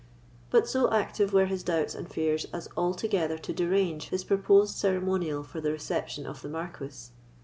But so active were his doubts and fears as altogether to derange his purposed ceremonial for the reception of the Marquis.